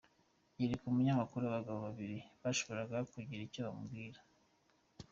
Yereka umunyamakuru abagabo babiri bashoboraga kugira icyo bamubwira.